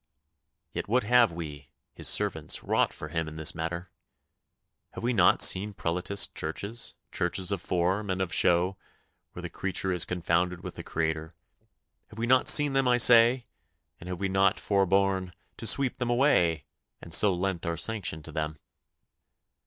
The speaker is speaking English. Yet what have we, His servants, wrought for Him in this matter? Have we not seen Prelatist churches, churches of form and of show, where the creature is confounded with the Creator have we not seen them, I say, and have we not forborne to sweep them away, and so lent our sanction to them?